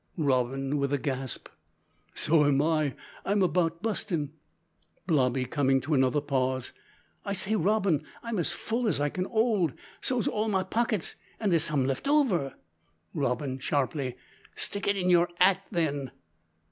(Robin, with a gasp.) "So am I; I'm about bustin'." (Blobby, coming to another pause.) "I say, Robin, I'm as full as I can 'old. So's all my pockits, an' there's some left over!" (Robin sharply.) "Stick it in your 'at, then."